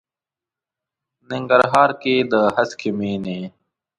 ننګرهار کې د هسکې مېنې.